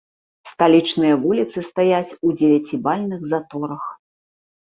Сталічныя вуліцы стаяць у дзевяцібальных заторах.